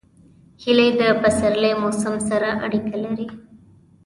هیلۍ د پسرلي موسم سره اړیکه لري